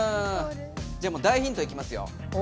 じゃあもう大ヒントいきますよ。